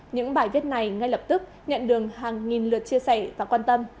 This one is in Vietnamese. những bài viết này ngay lập tức nhận được hàng nghìn lượt chia sẻ và quan tâm